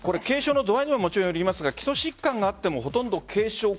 軽症の度合いにもよりますが基礎疾患があってもほとんど軽症。